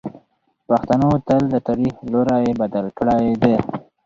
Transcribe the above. پښتنو تل د تاریخ لوری بدل کړی دی.